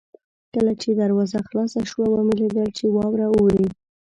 کله چې دروازه خلاصه شوه ومې لیدل چې واوره اورې.